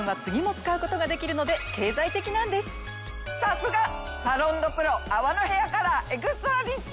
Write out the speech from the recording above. さすがサロンドプロ泡のヘアカラー・エクストラリッチ！